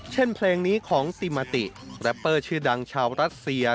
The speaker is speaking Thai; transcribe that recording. เพลงนี้ของซิมาติแรปเปอร์ชื่อดังชาวรัสเซีย